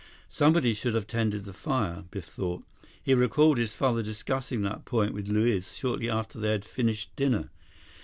Somebody should have tended the fire, Biff thought. He recalled his father discussing that point with Luiz shortly after they had finished dinner.